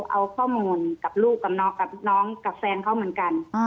เอาข้อมูลกับลูกกับน้องกับน้องกับแฟนเขาเหมือนกัน